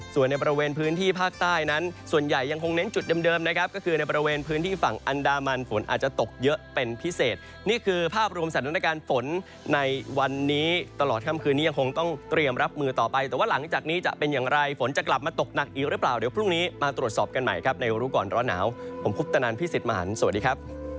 ส่วนในประเวนพื้นที่ภาคใต้นั้นส่วนใหญ่ยังคงเน้นจุดเดิมนะครับก็คือในประเวนพื้นที่ฝั่งอันดามันฝนอาจจะตกเยอะเป็นพิเศษนี่คือภาพรวมสถานการณ์ฝนในวันนี้ตลอดค่ำคืนนี้ยังคงต้องเตรียมรับมือต่อไปแต่ว่าหลังจากนี้จะเป็นอย่างไรฝนจะกลับมาตกหนักอีกหรือเปล่าเดี